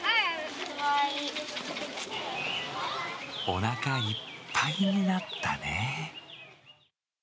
おなかいっぱいになったね。